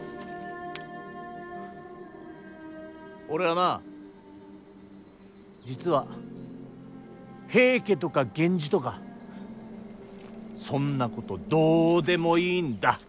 俺はな実は平家とか源氏とかそんなことどうでもいいんだ。